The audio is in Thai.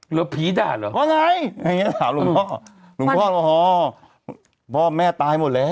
หรือว่าผีจ่านเหรอมายังงี้ยากถามลุงพ่อตัวของพ่อแม่ตายหมดแล้ว